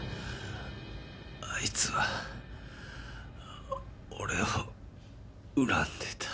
あいつは俺を恨んでた。